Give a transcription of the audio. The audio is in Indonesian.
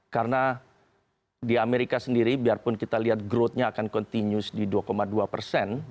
karena di amerika sendiri biarpun kita lihat growthnya akan continue di dua dua persen